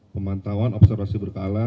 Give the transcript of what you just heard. pemantauan observasi berkala